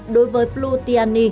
đối với plutiani